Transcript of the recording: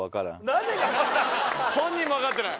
・本人も分かってない